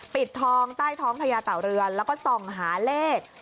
ปิดทองใต้ท้องพญาเต่าเรือนแล้วก็ส่องหาเลข